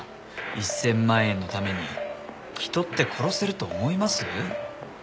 １０００万円のために人って殺せると思います？